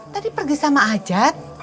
tadi pergi sama ajat